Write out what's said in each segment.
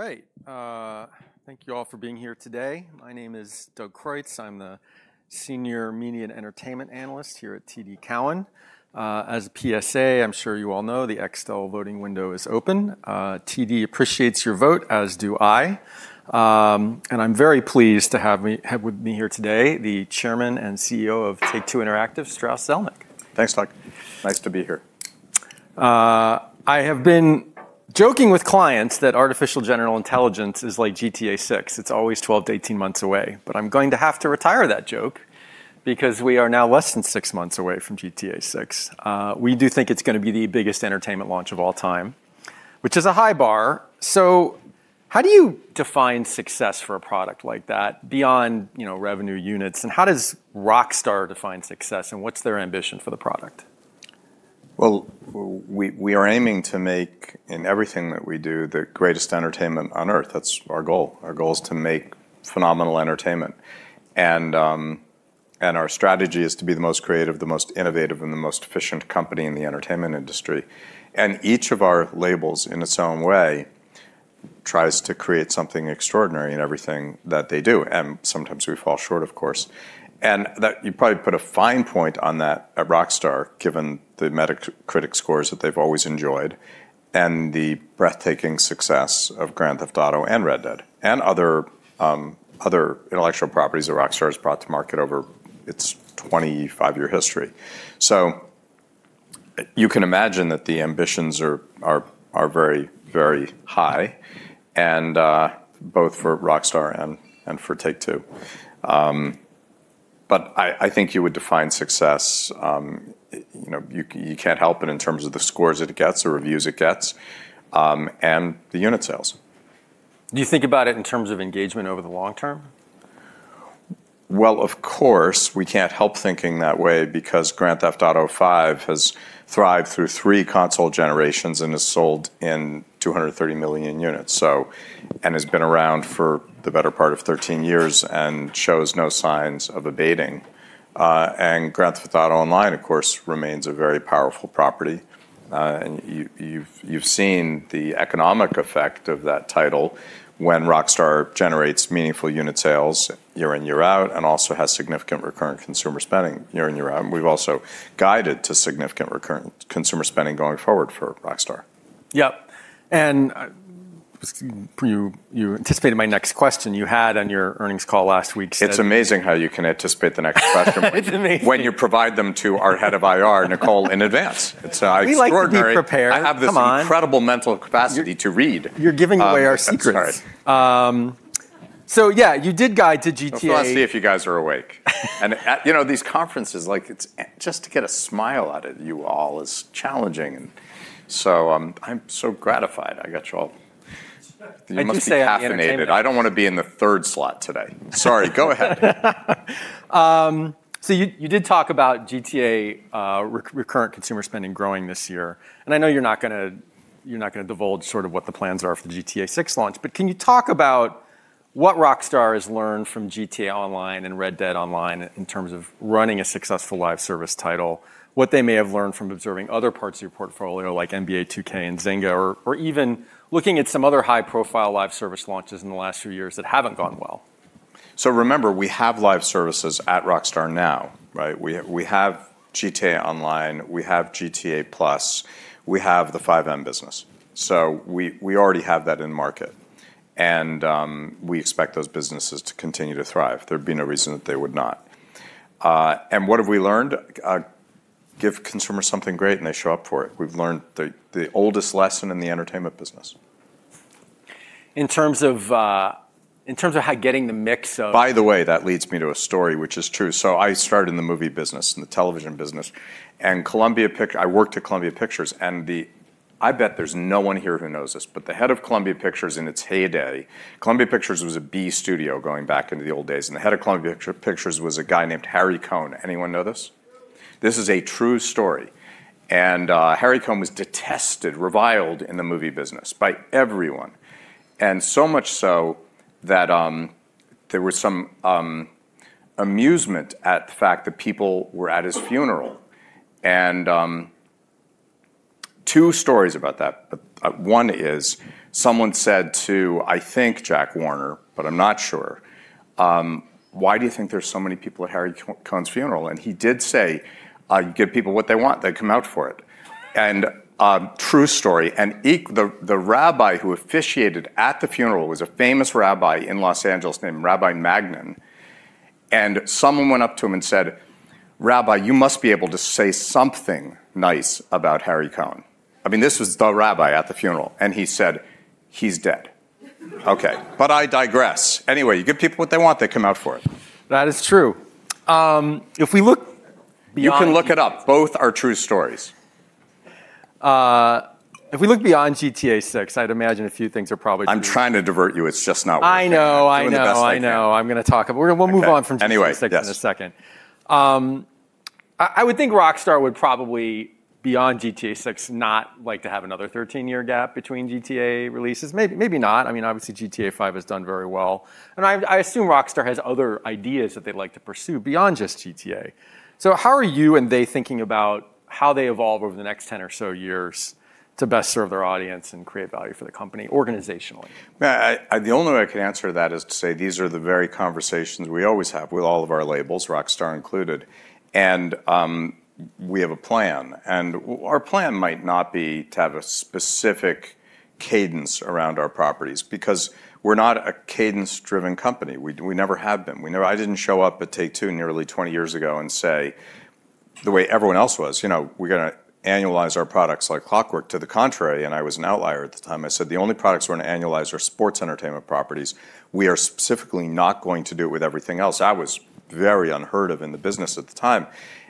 All right. Thank you all for being here today. My name is Doug Creutz. I'm the Senior Media and Entertainment Analyst here at TD Cowen. As a PSA, I'm sure you all know the Extel voting window is open. TD appreciates your vote, as do I. I'm very pleased to have with me here today the Chairman and Chief Executive Officer of Take-Two Interactive, Strauss Zelnick. Thanks, Doug. Nice to be here. I have been joking with clients that artificial general intelligence is like "GTA VI." It's always 12-18 months away. I'm going to have to retire that joke because we are now less than six months away from "GTA VI." We do think it's going to be the biggest entertainment launch of all time, which is a high bar. How do you define success for a product like that beyond revenue units? How does Rockstar define success, and what's their ambition for the product? We are aiming to make, in everything that we do, the greatest entertainment on Earth. That's our goal. Our goal is to make phenomenal entertainment. Our strategy is to be the most creative, the most innovative, and the most efficient company in the entertainment industry. Each of our labels, in its own way, tries to create something extraordinary in everything that they do. Sometimes we fall short, of course. You probably put a fine point on that at Rockstar, given the Metacritic scores that they've always enjoyed and the breathtaking success of Grand Theft Auto and Red Dead, and other intellectual properties that Rockstar has brought to market over its 25-year history. You can imagine that the ambitions are very high, both for Rockstar and for Take-Two. I think you would define success, you can't help it in terms of the scores that it gets, the reviews it gets, and the unit sales. Do you think about it in terms of engagement over the long term? Well, of course, we can't help thinking that way because Grand Theft Auto V has thrived through three console generations and has sold in 230 million units and has been around for the better part of 13 years and shows no signs of abating. Grand Theft Auto Online, of course, remains a very powerful property. You've seen the economic effect of that title when Rockstar generates meaningful unit sales year in, year out, and also has significant recurrent consumer spending year in, year out. We've also guided to significant recurrent consumer spending going forward for Rockstar. Yep. You anticipated my next question. You had on your earnings call last week said. It's amazing how you can anticipate the next question. It's amazing. when you provide them to our head of IR, Nicole, in advance. It is extraordinary. We like to be prepared. Come on. I have this incredible mental capacity to read. You're giving away our secrets. I'm sorry. Yeah, you did guide to GTA. Well, for us to see if you guys are awake. At these conferences, just to get a smile out of you all is challenging. I'm so gratified. I got you all. I do stay on the entertainment-. You must be caffeinated. I don't want to be in the third slot today. Sorry. Go ahead. You did talk about GTA recurrent consumer spending growing this year. I know you're not going to divulge sort of what the plans are for the GTA VI launch, can you talk about what Rockstar has learned from GTA Online and Red Dead Online in terms of running a successful live service title, what they may have learned from observing other parts of your portfolio like NBA 2K and Zynga, or even looking at some other high-profile live service launches in the last few years that haven't gone well? Remember, we have live services at Rockstar now, right? We have GTA Online, we have GTA+, we have the FiveM business. We already have that in market. We expect those businesses to continue to thrive. There'd be no reason that they would not. What have we learned? Give consumers something great, and they show up for it. We've learned the oldest lesson in the entertainment business. In terms of how getting the mix of- By the way, that leads me to a story, which is true. I started in the movie business and the television business. I worked at Columbia Pictures. I bet there's no one here who knows this, but the head of Columbia Pictures in its heyday, Columbia Pictures was a B studio going back into the old days. The head of Columbia Pictures was a guy named Harry Cohn. Anyone know this? True. This is a true story. Harry Cohn was detested, reviled in the movie business by everyone, and so much so that there was some amusement at the fact that people were at his funeral. Two stories about that. One is someone said to, I think Jack Warner, but I'm not sure, "Why do you think there's so many people at Harry Cohn's funeral?" He did say, "You give people what they want, they come out for it." True story. The rabbi who officiated at the funeral was a famous rabbi in Los Angeles named Rabbi Magnin. Someone went up to him and said, "Rabbi, you must be able to say something nice about Harry Cohn." I mean, this was the rabbi at the funeral. He said, "He's dead." Okay. I digress. You give people what they want, they come out for it. That is true. You can look it up. Both are true stories. If we look beyond "GTA VI," I'd imagine a few things are probably true. I'm trying to divert you. It's just not working. I know. I'm doing the best I can. I know. I know. I'm going to talk-- We're going to- Okay we'll move on. Anyway. Yes. GTA VI" in a second. I would think Rockstar would probably, beyond "GTA VI," not like to have another 13-year gap between "GTA" releases. Maybe not. Obviously "GTA V" has done very well. I assume Rockstar has other ideas that they'd like to pursue beyond just "GTA." How are you and they thinking about how they evolve over the next 10 or so years to best serve their audience and create value for the company organizationally. The only way I could answer that is to say these are the very conversations we always have with all of our labels, Rockstar included. We have a plan. Our plan might not be to have a specific cadence around our properties because we're not a cadence-driven company. We never have been. I didn't show up at Take-Two nearly 20 years ago and say, the way everyone else was, "We're going to annualize our products like clockwork." To the contrary, and I was an outlier at the time, I said, "The only products we're going to annualize are sports entertainment properties. We are specifically not going to do it with everything else." That was very unheard of in the business at the time.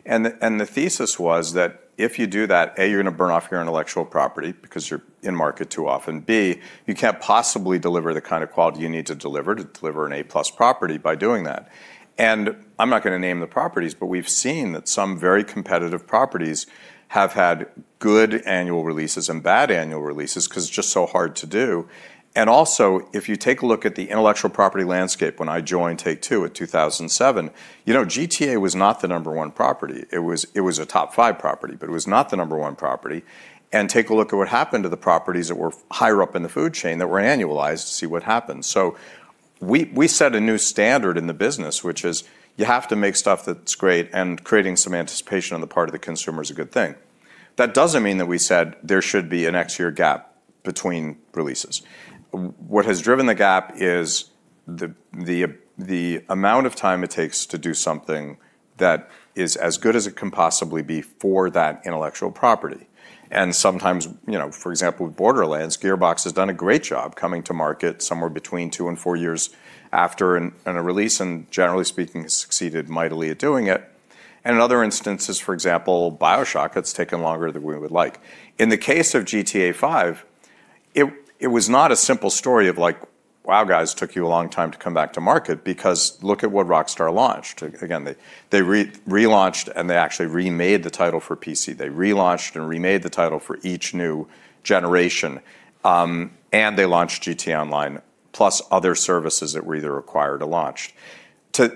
The thesis was that if you do that, A, you're going to burn off your intellectual property because you're in-market too often. You can't possibly deliver the kind of quality you need to deliver to deliver an A-plus property by doing that. I'm not going to name the properties, but we've seen that some very competitive properties have had good annual releases and bad annual releases because it's just so hard to do. Also, if you take a look at the intellectual property landscape when I joined Take-Two in 2007, GTA was not the number one property. It was a top five property, but it was not the number one property. Take a look at what happened to the properties that were higher up in the food chain that were annualized to see what happened. We set a new standard in the business, which is you have to make stuff that's great, and creating some anticipation on the part of the consumer is a good thing. That doesn't mean that we said there should be an X-year gap between releases. What has driven the gap is the amount of time it takes to do something that is as good as it can possibly be for that intellectual property. Sometimes, for example, with Borderlands, Gearbox has done a great job coming to market somewhere between two and four years after a release, and generally speaking, has succeeded mightily at doing it. In other instances, for example, BioShock, it's taken longer than we would like. In the case of GTA V, it was not a simple story of, "Wow, guys, took you a long time to come back to market," because look at what Rockstar launched. Again, they relaunched and they actually remade the title for PC. They relaunched and remade the title for each new generation. They launched GTA Online, plus other services that were either required to launch. To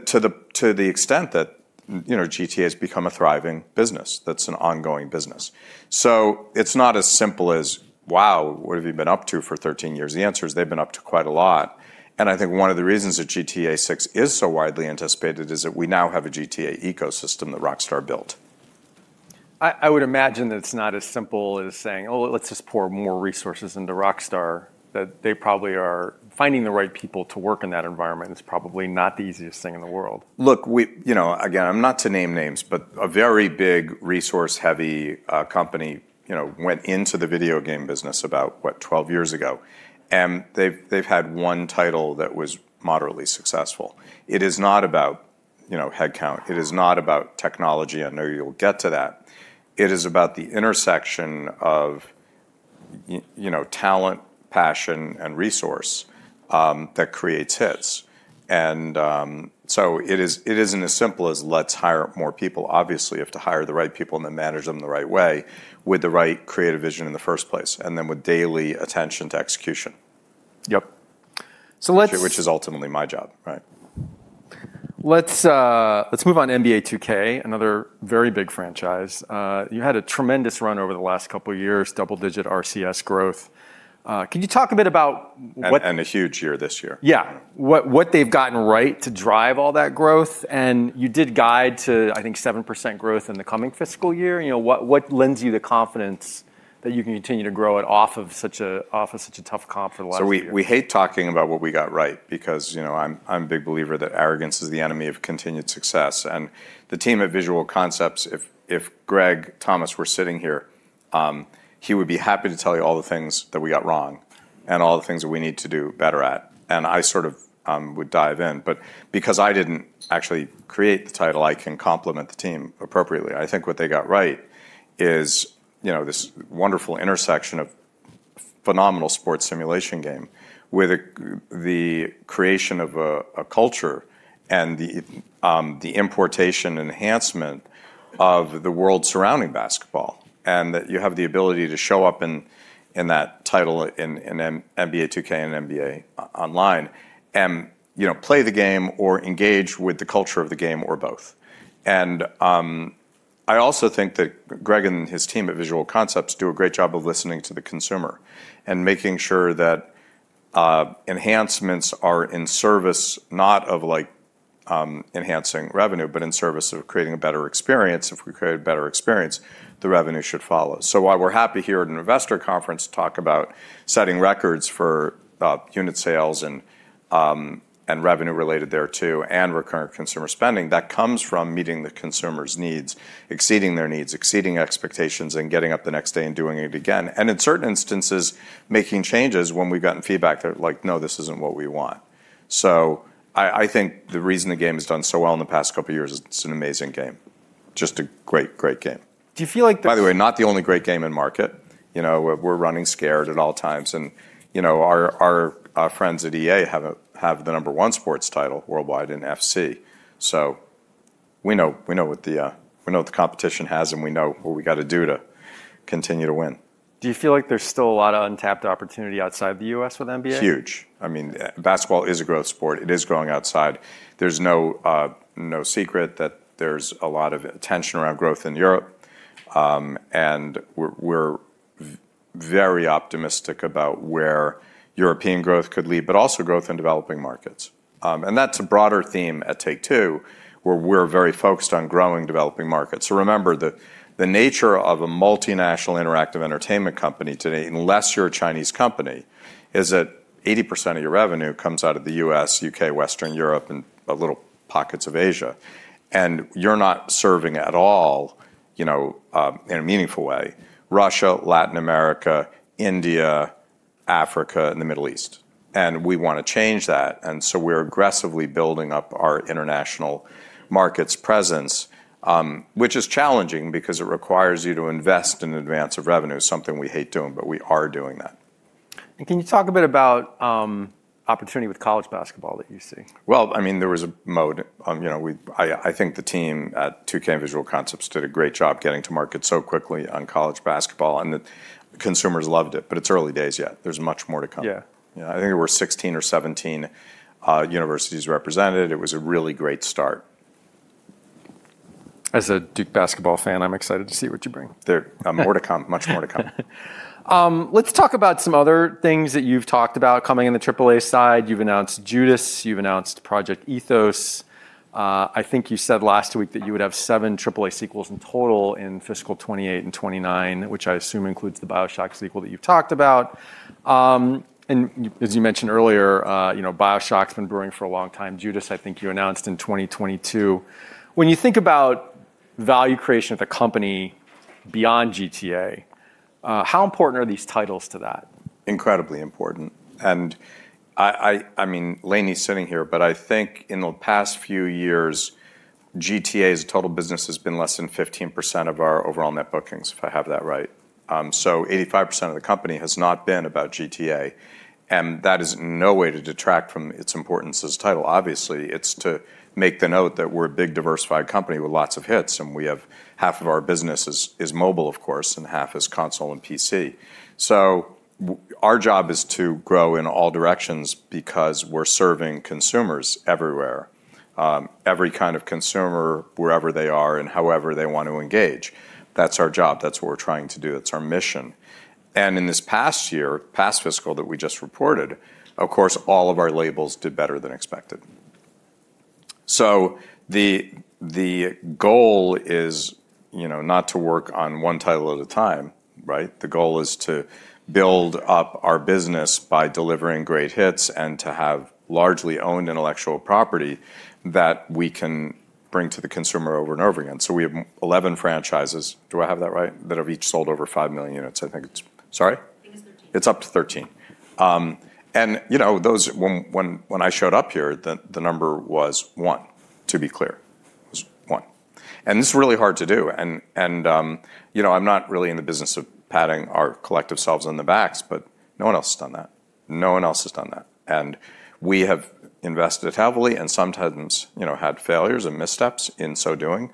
the extent that GTA has become a thriving business, that's an ongoing business. It's not as simple as, "Wow, what have you been up to for 13 years?" The answer is they've been up to quite a lot. I think one of the reasons that GTA VI is so widely anticipated is that we now have a GTA ecosystem that Rockstar built. I would imagine that it's not as simple as saying, "Oh, let's just pour more resources into Rockstar." They probably are finding the right people to work in that environment is probably not the easiest thing in the world. Look, again, not to name names, but a very big resource-heavy company went into the video game business about, what, 12 years ago. They've had one title that was moderately successful. It is not about headcount. It is not about technology. I know you'll get to that. It is about the intersection of talent, passion, and resource that creates hits. It isn't as simple as let's hire more people. Obviously, you have to hire the right people and then manage them the right way with the right creative vision in the first place. With daily attention to execution. Yep. Which is ultimately my job, right. Let's move on to NBA 2K, another very big franchise. You had a tremendous run over the last couple of years, double-digit RCS growth. Can you talk a bit about? A huge year this year. Yeah. What they've gotten right to drive all that growth. You did guide to, I think, 7% growth in the coming fiscal year. What lends you the confidence that you can continue to grow it off of such a tough comp from last year? We hate talking about what we got right because I'm a big believer that arrogance is the enemy of continued success. The team at Visual Concepts, if Greg Thomas were sitting here, he would be happy to tell you all the things that we got wrong and all the things that we need to do better at. I sort of would dive in. Because I didn't actually create the title, I can compliment the team appropriately. I think what they got right is this wonderful intersection of phenomenal sports simulation game with the creation of a culture and the importation and enhancement of the world surrounding basketball. That you have the ability to show up in that title in NBA 2K and NBA Online and play the game or engage with the culture of the game or both. I also think that Greg and his team at Visual Concepts do a great job of listening to the consumer and making sure that enhancements are in service, not of enhancing revenue, but in service of creating a better experience. If we create a better experience, the revenue should follow. While we're happy here at an investor conference to talk about setting records for unit sales and revenue related thereto and recurrent consumer spending, that comes from meeting the consumer's needs, exceeding their needs, exceeding expectations, and getting up the next day and doing it again. In certain instances, making changes when we've gotten feedback that like, "No, this isn't what we want." I think the reason the game has done so well in the past couple of years is it's an amazing game. Just a great game. Do you feel like the- Not the only great game in market. We're running scared at all times and our friends at EA have the number one sports title worldwide in FC. We know what the competition has and we know what we got to do to continue to win. Do you feel like there's still a lot of untapped opportunity outside the U.S. with NBA? Huge. Basketball is a growth sport. It is growing outside. There's no secret that there's a lot of attention around growth in Europe. We're very optimistic about where European growth could lead, but also growth in developing markets. That's a broader theme at Take-Two, where we're very focused on growing developing markets. Remember, the nature of a multinational interactive entertainment company today, unless you're a Chinese company, is that 80% of your revenue comes out of the U.S., U.K., Western Europe, and little pockets of Asia. You're not serving at all in a meaningful way, Russia, Latin America, India, Africa, and the Middle East. We want to change that. We're aggressively building up our international markets presence. Which is challenging because it requires you to invest in advance of revenue, something we hate doing, but we are doing that. Can you talk a bit about opportunity with college basketball that you see? There was a mode. I think the team at 2K and Visual Concepts did a great job getting to market so quickly on college basketball, and the consumers loved it. It's early days yet. There's much more to come. Yeah. Yeah, I think there were 16 or 17 universities represented. It was a really great start. As a Duke basketball fan, I'm excited to see what you bring. There, more to come, much more to come. Let's talk about some other things that you've talked about coming in the AAA side. You've announced "Judas." You've announced Project ETHOS. I think you said last week that you would have seven AAA sequels in total in fiscal 2028 and 2029, which I assume includes the "BioShock" sequel that you've talked about. As you mentioned earlier, "BioShock's" been brewing for a long time. "Judas," I think you announced in 2022. When you think about value creation of the company beyond GTA, how important are these titles to that? Incredibly important. Lainie's sitting here, but I think in the past few years, GTA as a total business has been less than 15% of our overall net bookings, if I have that right. 85% of the company has not been about GTA, and that is no way to detract from its importance as a title. Obviously, it's to make the note that we're a big, diversified company with lots of hits, and we have half of our business is mobile, of course, and half is console and PC. Our job is to grow in all directions because we're serving consumers everywhere. Every kind of consumer, wherever they are and however they want to engage. That's our job. That's what we're trying to do. That's our mission. In this past year, past fiscal that we just reported, of course, all of our labels did better than expected. The goal is not to work on one title at a time, right? The goal is to build up our business by delivering great hits and to have largely owned intellectual property that we can bring to the consumer over and over again. We have 11 franchises that have each sold over 5 million units. Do I have that right? Sorry? I think it's 13. It's up to 13. When I showed up here, the number was one, to be clear. It was one. This is really hard to do. I'm not really in the business of patting our collective selves on the backs, but no one else has done that. No one else has done that. We have invested heavily and sometimes had failures and missteps in so doing.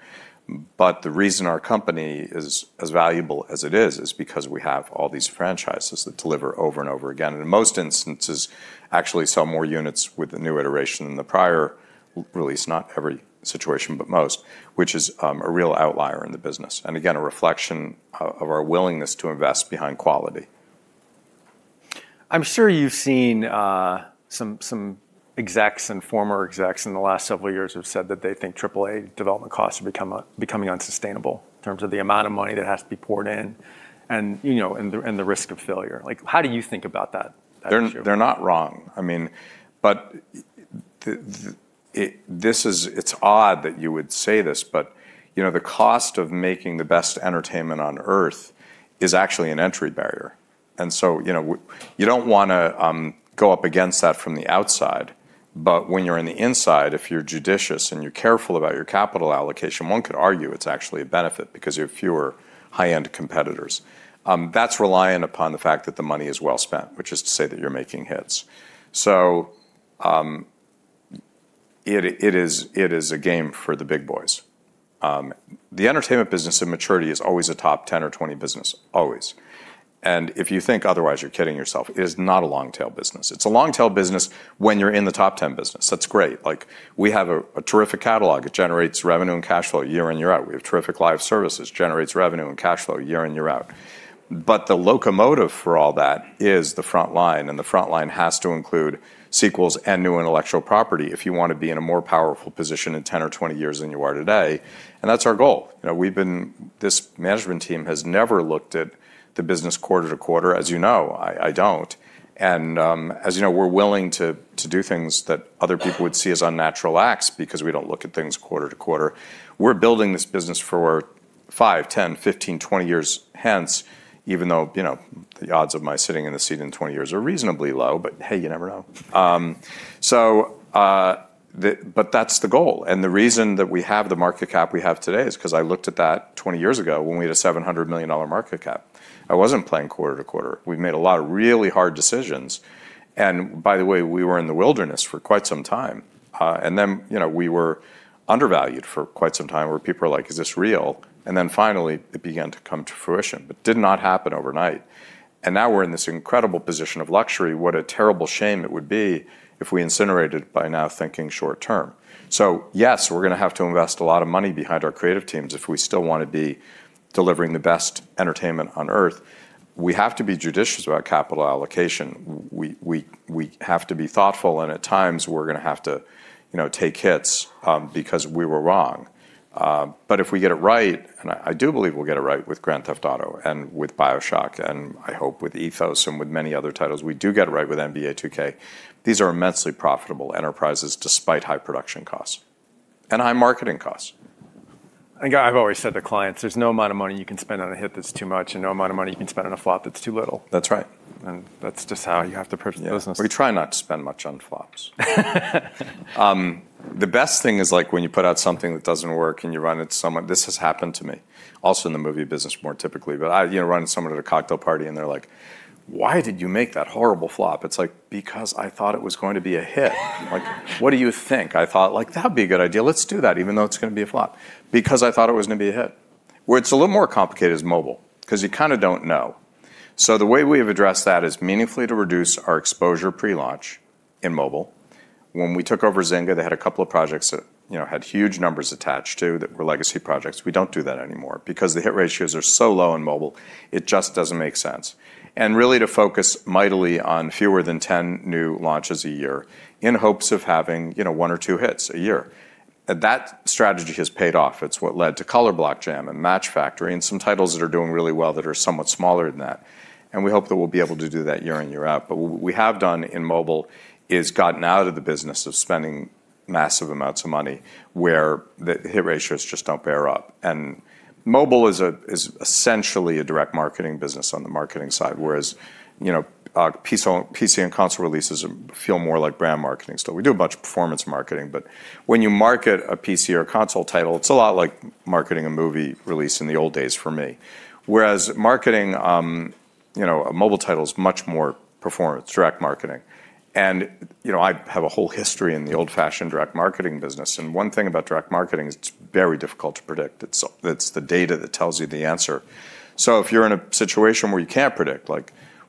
The reason our company is as valuable as it is because we have all these franchises that deliver over and over again, and in most instances, actually sell more units with the new iteration than the prior release. Not every situation, but most, which is a real outlier in the business. Again, a reflection of our willingness to invest behind quality. I'm sure you've seen some execs and former execs in the last several years have said that they think AAA development costs are becoming unsustainable in terms of the amount of money that has to be poured in and the risk of failure. How do you think about that issue? They're not wrong. It's odd that you would say this, the cost of making the best entertainment on Earth is actually an entry barrier. You don't want to go up against that from the outside. When you're in the inside, if you're judicious and you're careful about your capital allocation, one could argue it's actually a benefit because you have fewer high-end competitors. That's reliant upon the fact that the money is well spent, which is to say that you're making hits. It is a game for the big boys. The entertainment business in maturity is always a top 10 or 20 business. Always. If you think otherwise, you're kidding yourself. It is not a long-tail business. It's a long-tail business when you're in the top 10 business. That's great. We have a terrific catalog. It generates revenue and cash flow year in, year out. We have terrific live services, generates revenue and cash flow year in, year out. The locomotive for all that is the front line, and the front line has to include sequels and new intellectual property if you want to be in a more powerful position in 10 or 20 years than you are today. That's our goal. This management team has never looked at the business quarter to quarter, as you know. I don't. As you know, we're willing to do things that other people would see as unnatural acts because we don't look at things quarter to quarter. We're building this business for five, 10, 15, 20 years hence, even though the odds of my sitting in the seat in 20 years are reasonably low. Hey, you never know. That's the goal. The reason that we have the market cap we have today is because I looked at that 20 years ago when we had a $700 million market cap. I wasn't playing quarter to quarter. We made a lot of really hard decisions. By the way, we were in the wilderness for quite some time. We were undervalued for quite some time where people were like, "Is this real?" Finally it began to come to fruition, but did not happen overnight. Now we're in this incredible position of luxury. What a terrible shame it would be if we incinerated it by now thinking short term. Yes, we're going to have to invest a lot of money behind our creative teams if we still want to be delivering the best entertainment on Earth. We have to be judicious about capital allocation. We have to be thoughtful, and at times we're going to have to take hits because we were wrong. If we get it right, and I do believe we'll get it right with Grand Theft Auto and with BioShock, and I hope with Project ETHOS and with many other titles. We do get it right with NBA 2K. These are immensely profitable enterprises despite high production costs and high marketing costs. I think I've always said to clients, there's no amount of money you can spend on a hit that's too much, and no amount of money you can spend on a flop that's too little. That's right. That's just how you have to approach the business. We try not to spend much on flops. The best thing is when you put out something that doesn't work and you run into someone. This has happened to me. Also in the movie business more typically, but I run into someone at a cocktail party and they're like, "Why did you make that horrible flop?" It's like, "Because I thought it was going to be a hit." Like, what do you think? I thought, "That'd be a good idea. Let's do that even though it's going to be a flop." Because I thought it was going to be a hit. Where it's a little more complicated is mobile, because you kind of don't know. The way we have addressed that is meaningfully to reduce our exposure pre-launch in mobile. When we took over Zynga, they had a couple of projects that had huge numbers attached to, that were legacy projects. We don't do that anymore because the hit ratios are so low in mobile, it just doesn't make sense. Really to focus mightily on fewer than 10 new launches a year in hopes of having one or two hits a year. That strategy has paid off. It's what led to Color Block Jam and Match Factory!, and some titles that are doing really well that are somewhat smaller than that. We hope that we'll be able to do that year in, year out. What we have done in mobile is gotten out of the business of spending massive amounts of money where the hit ratios just don't bear up. Mobile is essentially a direct marketing business on the marketing side, whereas PC and console releases feel more like brand marketing still. We do a bunch of performance marketing, but when you market a PC or a console title, it's a lot like marketing a movie release in the old days for me. Marketing a mobile title is much more performance, direct marketing. I have a whole history in the old fashioned direct marketing business, and one thing about direct marketing is it's very difficult to predict. It's the data that tells you the answer. If you're in a situation where you can't predict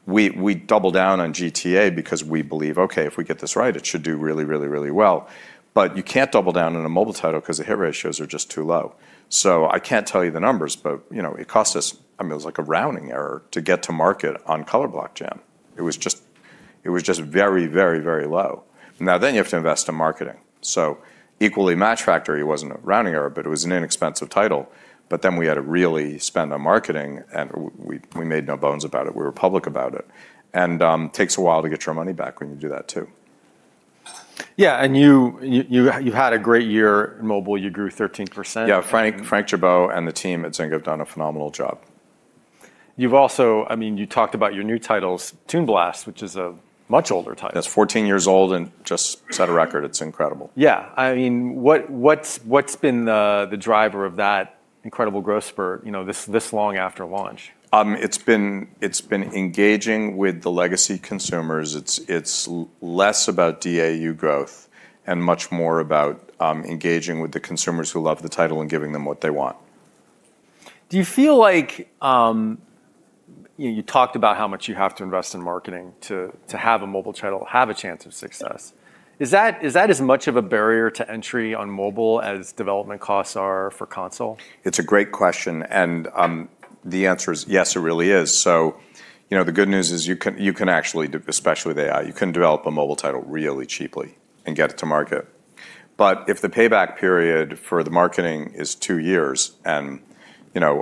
We doubled down on GTA because we believe, okay, if we get this right, it should do really, really, really well. You can't double down on a mobile title because the hit ratios are just too low. I can't tell you the numbers, but it cost us, it was like a rounding error to get to market on Color Block Jam. It was just very, very, very low. You have to invest in marketing. Equally, Match Factory! wasn't a rounding error, but it was an inexpensive title, but then we had to really spend on marketing and we made no bones about it. We were public about it. It takes a while to get your money back when you do that too. Yeah, and you've had a great year in mobile. You grew 13%. Frank Gibeau and the team at Zynga have done a phenomenal job. You've also talked about your new titles, Toon Blast, which is a much older title. That's 14 years old and just set a record. It's incredible. Yeah. What's been the driver of that incredible growth spurt this long after launch? It's been engaging with the legacy consumers. It's less about DAU growth and much more about engaging with the consumers who love the title and giving them what they want. You talked about how much you have to invest in marketing to have a mobile title have a chance of success. Is that as much of a barrier to entry on mobile as development costs are for console? It's a great question. The answer is yes, it really is. The good news is you can actually, especially with AI, you can develop a mobile title really cheaply and get it to market. If the payback period for the marketing is two years, there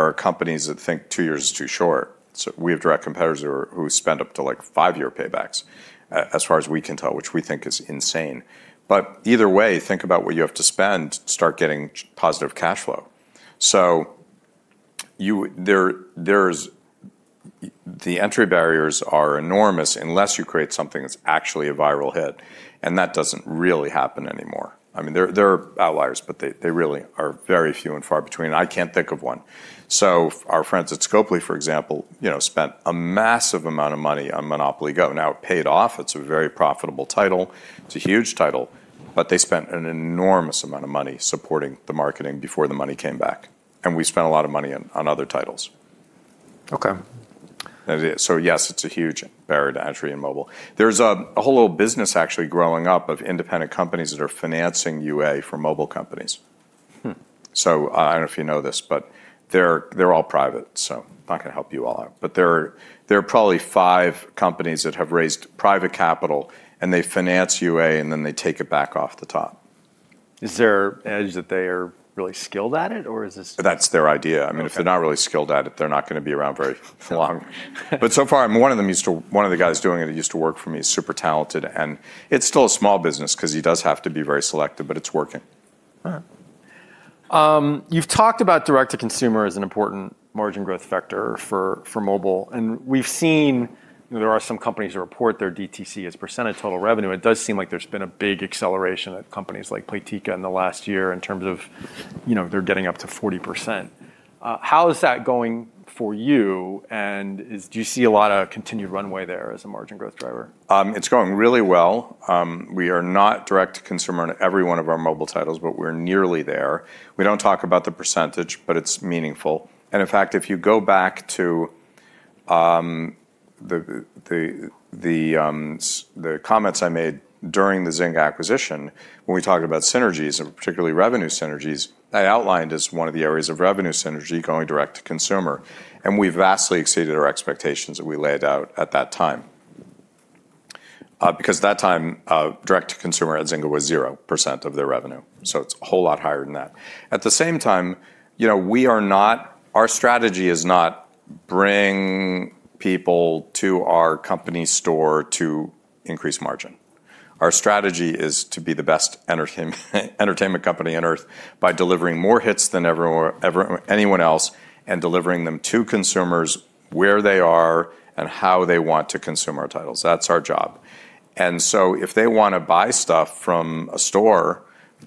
are companies that think two years is too short. We have direct competitors who spend up to five-year paybacks, as far as we can tell, which we think is insane. Either way, think about what you have to spend to start getting positive cash flow. The entry barriers are enormous unless you create something that's actually a viral hit, that doesn't really happen anymore. There are outliers, they really are very few and far between. I can't think of one. Our friends at Scopely, for example, spent a massive amount of money on Monopoly Go!. Now it paid off. It's a very profitable title. It's a huge title. They spent an enormous amount of money supporting the marketing before the money came back. We spent a lot of money on other titles. Okay. Yes, it's a huge barrier to entry in mobile. There's a whole business actually growing up of independent companies that are financing UA for mobile companies. I don't know if you know this, but they're all private, so I'm not going to help you all out. There are probably five companies that have raised private capital, and they finance UA, and then they take it back off the top. Is their edge that they are really skilled at it? That's their idea. I mean, if they're not really skilled at it, they're not going to be around very long. So far, one of the guys doing it that used to work for me is super talented, and it's still a small business because he does have to be very selective, but it's working. All right. You've talked about direct to consumer as an important margin growth vector for mobile, and we've seen there are some companies that report their DTC as % of total revenue. It does seem like there's been a big acceleration at companies like Playtika in the last year in terms of they're getting up to 40%. How is that going for you? Do you see a lot of continued runway there as a margin growth driver? It's going really well. We are not direct to consumer on every one of our mobile titles, but we're nearly there. We don't talk about the percentage, but it's meaningful. In fact, if you go back to the comments I made during the Zynga acquisition when we talked about synergies, and particularly revenue synergies, I outlined as one of the areas of revenue synergy going direct to consumer, and we vastly exceeded our expectations that we laid out at that time. At that time, direct to consumer at Zynga was 0% of their revenue. It's a whole lot higher than that. At the same time, our strategy is not bring people to our company store to increase margin. Our strategy is to be the best entertainment company on Earth by delivering more hits than anyone else and delivering them to consumers where they are and how they want to consume our titles. That's our job. If they want to buy stuff from a store,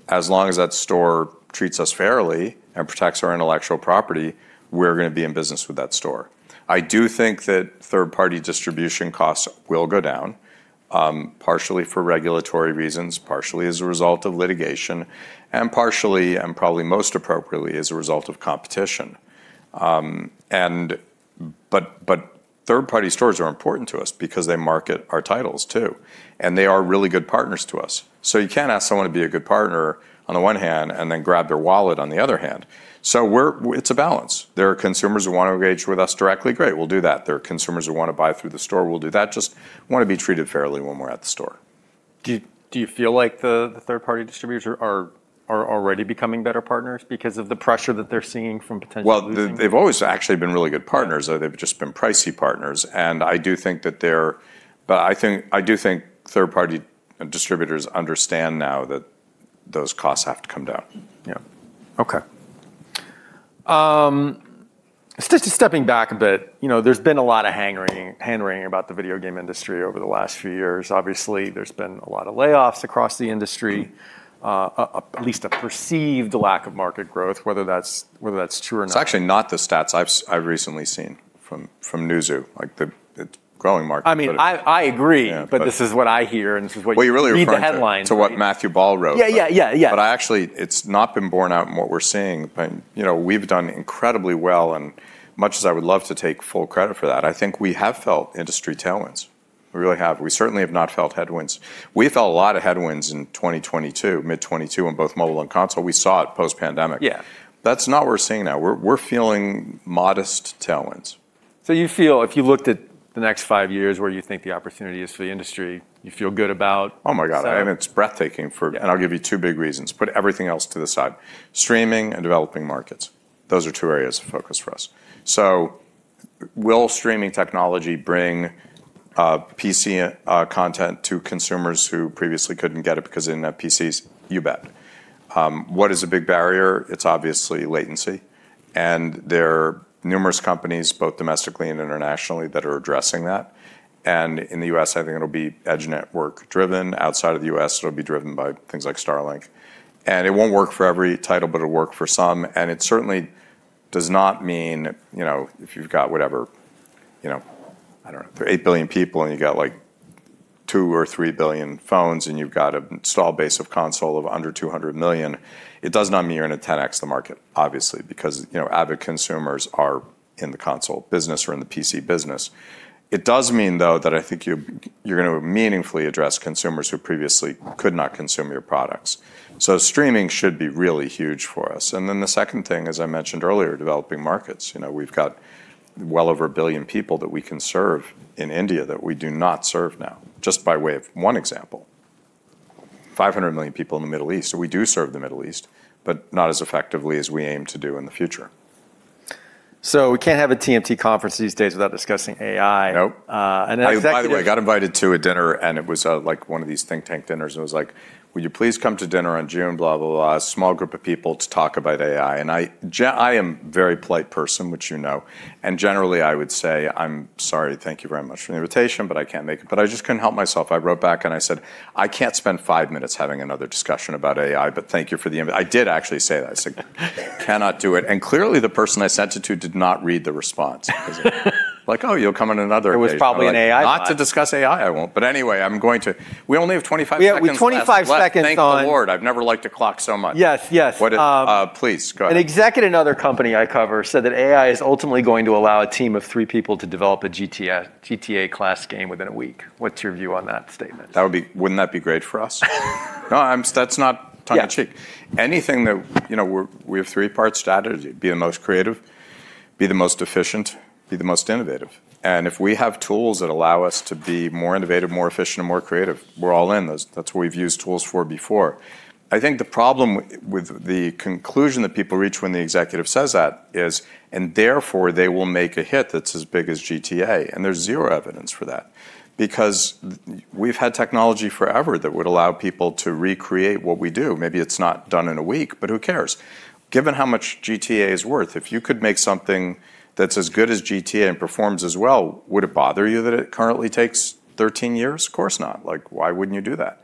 as long as that store treats us fairly and protects our intellectual property, we're going to be in business with that store. I do think that third-party distribution costs will go down, partially for regulatory reasons, partially as a result of litigation, and partially, and probably most appropriately, as a result of competition. Third-party stores are important to us because they market our titles too, and they are really good partners to us. You can't ask someone to be a good partner on the one hand and then grab their wallet on the other hand. It's a balance. There are consumers who want to engage with us directly. Great. We'll do that. There are consumers who want to buy through the store. We'll do that. We just want to be treated fairly when we're at the store. Do you feel like the third-party distributors are already becoming better partners because of the pressure that they're seeing from potentially losing? Well, they've always actually been really good partners. They've just been pricey partners. I do think third-party distributors understand now that those costs have to come down. Yeah. Okay. Just stepping back a bit, there's been a lot of hand-wringing about the video game industry over the last few years. Obviously, there's been a lot of layoffs across the industry. At least a perceived lack of market growth, whether that's true or not. It's actually not the stats I've recently seen from Newzoo. The growing market. I agree. Yeah This is what I hear, and this is. Well, you're really referring to. You read the headlines, right? to what Matthew Ball wrote. Yeah. Actually, it's not been borne out in what we're seeing. We've done incredibly well, much as I would love to take full credit for that, I think we have felt industry tailwinds. We really have. We certainly have not felt headwinds. We felt a lot of headwinds in 2022, mid 2022 in both mobile and console. We saw it post-pandemic. Yeah. That's not what we're seeing now. We're feeling modest tailwinds. You feel if you looked at the next five years where you think the opportunity is for the industry, you feel good about? Oh my God. I mean, it's breathtaking. I'll give you two big reasons. Put everything else to the side. Streaming and developing markets. Those are two areas of focus for us. Will streaming technology bring PC content to consumers who previously couldn't get it because they didn't have PCs? You bet. What is a big barrier? It's obviously latency, and there are numerous companies, both domestically and internationally, that are addressing that. In the U.S., I think it'll be edge network driven. Outside of the U.S., it'll be driven by things like Starlink. It won't work for every title, but it'll work for some. It certainly does not mean if you've got, whatever, I don't know, if there are eight billion people and you've got two or three billion phones, and you've got an install base of console of under 200 million, it does not mean you're going to 10x the market, obviously, because avid consumers are in the console business or in the PC business. It does mean, though, that I think you're going to meaningfully address consumers who previously could not consume your products. Streaming should be really huge for us. The second thing, as I mentioned earlier, developing markets. We've got well over one billion people that we can serve in India that we do not serve now, just by way of one example. 500 million people in the Middle East. We do serve the Middle East, but not as effectively as we aim to do in the future. We can't have a TMT conference these days without discussing AI. Nope. And an executive- By the way, I got invited to a dinner, and it was one of these think tank dinners, and it was like, "Would you please come to dinner on June blah, blah, small group of people to talk about AI." I am very polite person, which you know, and generally, I would say, "I'm sorry. Thank you very much for the invitation, but I can't make it." I just couldn't help myself. I wrote back and I said, "I can't spend five minutes having another discussion about AI, but thank you for the invite." I did actually say that. I said, "Cannot do it." Clearly the person I sent it to did not read the response because they're like, "Oh, you'll come on another occasion. It was probably an AI bot. Not to discuss AI, I won't. Anyway, I'm going to. We only have 25 seconds left. Yeah, we have 25 seconds on-. Thank the Lord. I've never liked a clock so much. Yes. Please go ahead. An executive in another company I cover said that AI is ultimately going to allow a team of three people to develop a GTA class game within a week. What's your view on that statement? Wouldn't that be great for us? No, that's not tongue in cheek. Yeah. We have three-part strategy. Be the most creative, be the most efficient, be the most innovative. If we have tools that allow us to be more innovative, more efficient, and more creative, we're all in. That's what we've used tools for before. I think the problem with the conclusion that people reach when the executive says that is and therefore they will make a hit that's as big as GTA. There's zero evidence for that because we've had technology forever that would allow people to recreate what we do. Maybe it's not done in a week, but who cares? Given how much GTA is worth, if you could make something that's as good as GTA and performs as well, would it bother you that it currently takes 13 years? Of course not. Why wouldn't you do that?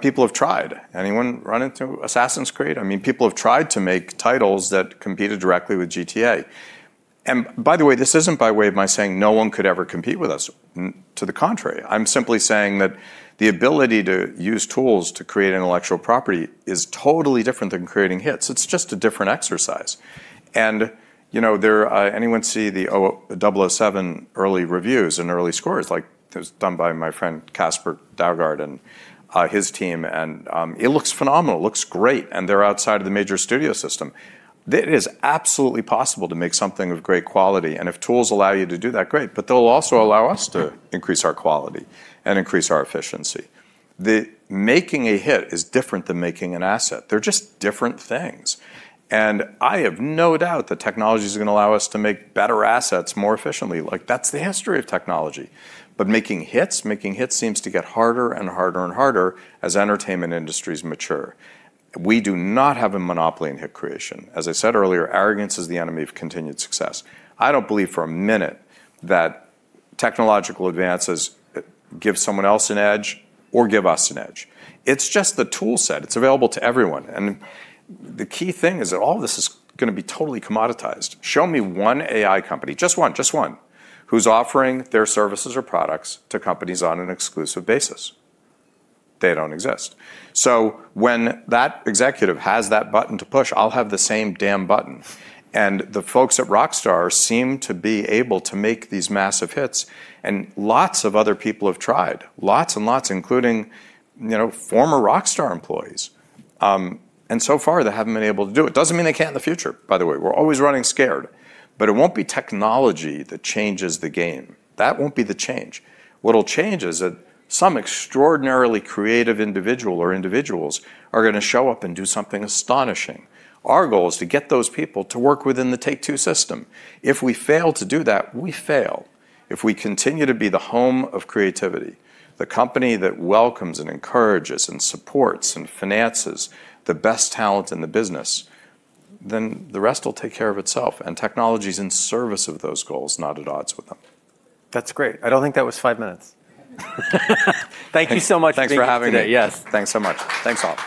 People have tried. Anyone run into Assassin's Creed? People have tried to make titles that competed directly with GTA. By the way, this isn't by way of my saying no one could ever compete with us. To the contrary. I'm simply saying that the ability to use tools to create intellectual property is totally different than creating hits. It's just a different exercise. Anyone see the 007 early reviews and early scores? It was done by my friend Casper Dougard and his team, and it looks phenomenal. It looks great, and they're outside of the major studio system. It is absolutely possible to make something of great quality, and if tools allow you to do that, great, but they'll also allow us to increase our quality and increase our efficiency. Making a hit is different than making an asset. They're just different things. I have no doubt that technology's going to allow us to make better assets more efficiently. That's the history of technology. Making hits seems to get harder and harder and harder as entertainment industries mature. We do not have a monopoly in hit creation. As I said earlier, arrogance is the enemy of continued success. I don't believe for a minute that technological advances give someone else an edge or give us an edge. It's just the tool set. It's available to everyone. The key thing is that all this is going to be totally commoditized. Show me one AI company, just one, who's offering their services or products to companies on an exclusive basis. They don't exist. When that executive has that button to push, I'll have the same damn button, the folks at Rockstar seem to be able to make these massive hits, lots of other people have tried. Lots and lots, including former Rockstar employees. So far, they haven't been able to do it. Doesn't mean they can't in the future, by the way. We're always running scared. It won't be technology that changes the game. That won't be the change. What'll change is that some extraordinarily creative individual or individuals are going to show up and do something astonishing. Our goal is to get those people to work within the Take-Two system. If we fail to do that, we fail. If we continue to be the home of creativity, the company that welcomes and encourages and supports and finances the best talent in the business, then the rest will take care of itself. Technology's in service of those goals, not at odds with them. That's great. I don't think that was five minutes. Thank you so much for being here today. Thanks for having me. Yes. Thanks so much. Thanks, all.